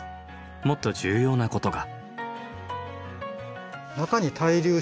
もっと重要なことが。